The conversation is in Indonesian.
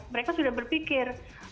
mereka sudah berpikir